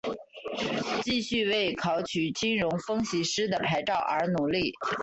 继续为考取金融分析师的牌照而努力。